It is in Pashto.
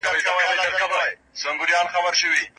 هغه د زردالو د باغ خاطرې یادوي.